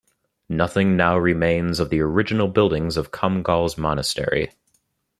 Nothing now remains of the original buildings of Comgall's monastery.